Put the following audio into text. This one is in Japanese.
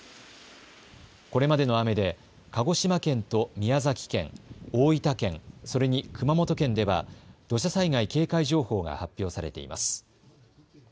これまでの雨で鹿児島県と宮崎県、大分県、それに熊本県では土砂災害警戒情報が発表されています。